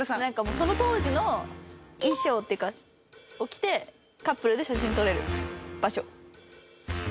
その当時の衣装っていうかを着てカップルで写真が撮れる場所。